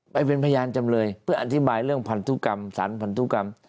ไปเป็นพยานจำเลยเพื่ออธิบายเรื่องพันธุกรรมสารพันธุกรรม